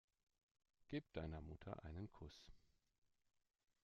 Gib deiner Mutter einen Kuss.